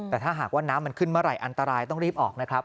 แต่ถ้าหากว่าน้ำมันขึ้นเมื่อไหร่อันตรายต้องรีบออกนะครับ